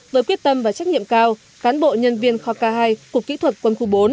với quyết tâm và trách nhiệm cao cán bộ nhân viên kho k hai cục kỹ thuật quân khu bốn